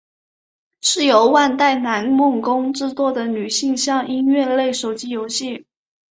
是由万代南梦宫制作的女性向音乐类手机游戏。